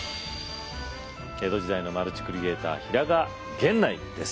江戸時代のマルチクリエーター平賀源内です。